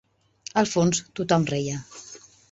Al fons tot-hom reia